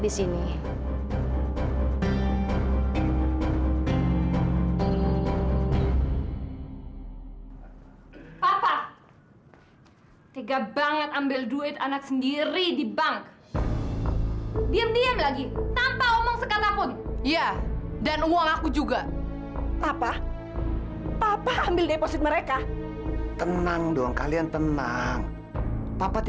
sampai jumpa di video selanjutnya